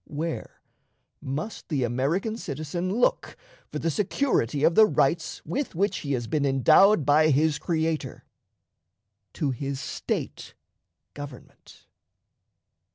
Where must the American citizen look for the security of the rights with which he has been endowed by his Creator? To his State government.